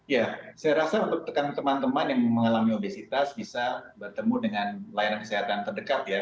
ya saya rasa untuk teman teman yang mengalami obesitas bisa bertemu dengan layanan kesehatan terdekat ya